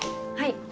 はい。